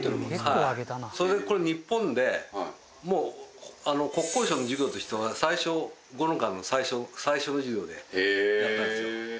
それでこれ日本でもう国交省の事業としては最初江の川のが最初の事業でやったんですよ。